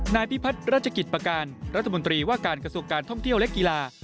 นายพิพัฒน์ราชกิจประการรัฐมนตรีว่าการกระทรวงการท่องเที่ยวและกีฬา